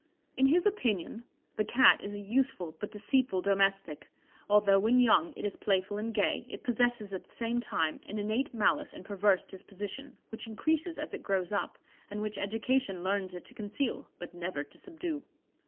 In his opinion the cat "is a useful but deceitful domestic. Although when young it is playful and gay, it possesses at the same time an innate malice and perverse disposition, which increases as it grows up, and which education learns it to conceal, but never to subdue.